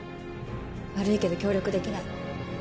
悪いけど協力できない。